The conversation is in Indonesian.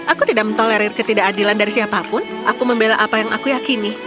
aku tidak mentolerir ketidakadilan dari siapapun aku membela apa yang aku yakini